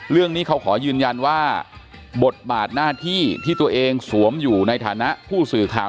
เรื่องนี้เขาขอยืนยันว่าบทบาทหน้าที่ที่ตัวเองสวมอยู่ในฐานะผู้สื่อข่าว